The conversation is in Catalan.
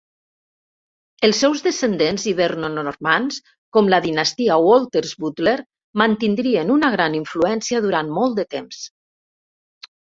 Els seus descendents hiberno-normands, com la dinastia Walter's Butler, mantindrien una gran influència durant molt temps.